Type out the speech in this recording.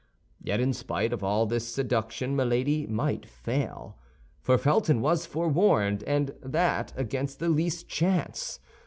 Yet in spite of all this seduction Milady might fail—for Felton was forewarned, and that against the least chance.